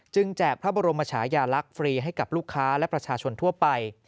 แจกพระบรมชายาลักษณ์ฟรีให้กับลูกค้าและประชาชนทั่วไป